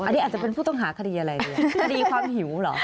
อันนี้อาจจะเป็นผู้ต้องหาคดีอะไรเลยคดีความหิวเหรอ